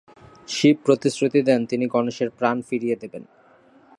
শিব প্রতিশ্রুতি দেন, তিনি গণেশের প্রাণ ফিরিয়ে দেবেন।